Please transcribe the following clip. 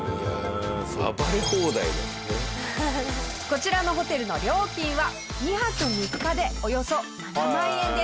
こちらのホテルの料金は２泊３日でおよそ７万円です。